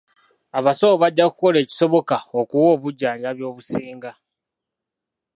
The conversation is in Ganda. Abasawo bajja kukola ekisoboka okuwa obujjanjabi obusinga.